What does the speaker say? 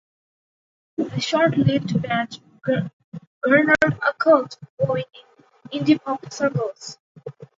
The short-lived band garnered a cult following in indie-pop circles.